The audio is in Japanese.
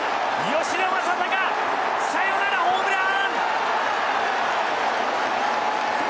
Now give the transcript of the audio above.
吉田正尚、サヨナラホームラン！